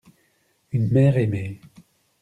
Une mère aimée.